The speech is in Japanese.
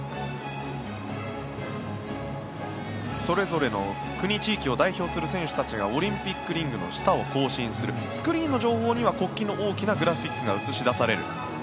それぞれの国・地域を代表する選手たちがオリンピックリングの下を行進するスクリーンの情報には国旗の大きなグラフィックが映し出される。